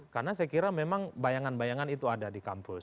karena saya kira memang bayangan bayangan itu ada di kampus